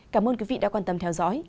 cảm ơn quý vị đã quan tâm theo dõi